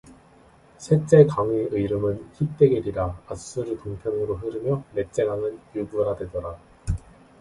세째 강의 이름은 힛데겔이라 앗수르 동편으로 흐르며 네째 강은 유브라데더라